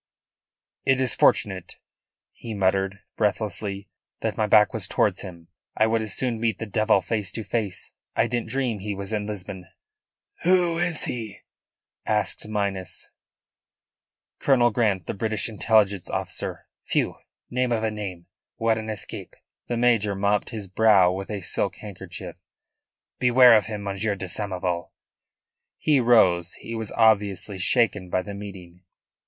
"It is fortunate," he muttered breathlessly, "that my back was towards him. I would as soon meet the devil face to face. I didn't dream he was in Lisbon." "Who is he?" asked Minas. "Colonel Grant, the British Intelligence officer. Phew! Name of a Name! What an escape!" The major mopped his brow with a silk handkerchief. "Beware of him, Monsieur de Samoval." He rose. He was obviously shaken by the meeting.